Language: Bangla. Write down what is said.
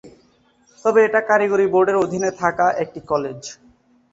তবে এটা কারিগরি বোর্ডের অধীনে থাকা একটি কলেজ।